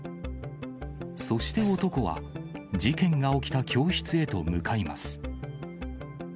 そして男は、事件が起きた教室へと向かいます。